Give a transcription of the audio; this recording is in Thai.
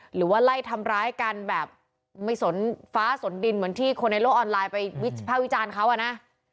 หรือว่าไล่ทำร้ายกันแบบไม่สนฟ้าสนดินเหมือนที่คนในโลกออนไลน์ไปวิภาควิจารณ์เขาอ่ะนะ